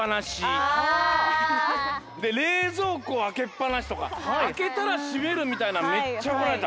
でれいぞうこあけっぱなしとかあけたらしめるみたいなめっちゃおこられた。